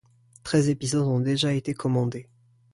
Treize épisodes ont déjà été commandés.